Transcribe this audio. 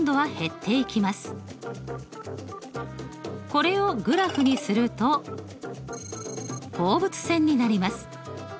これをグラフにすると放物線になります。